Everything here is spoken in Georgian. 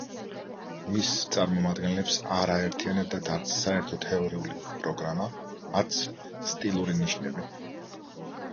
მის წარმომადგენლებს არ აერთიანებდათ არც საერთო თეორიული პროგრამა, არც სტილური ნიშნები.